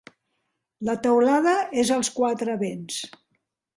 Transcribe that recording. La teulada és als quatre vents.